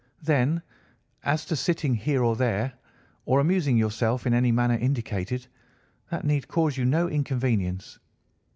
Then, as to sitting here or there, or amusing yourself in any manner indicated, that need cause you no inconvenience.